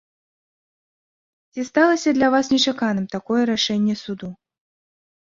Ці сталася для вас нечаканым такое рашэнне суду?